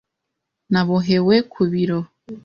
Nabohewe ku biro.